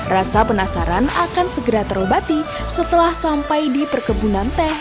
rasa penasaran akan segera terobati setelah sampai di perkebunan teh